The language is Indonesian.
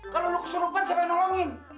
kalau lo keserupan siapa yang nolongin